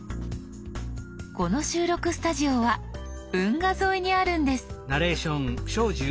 この収録スタジオは運河沿いにあるんです。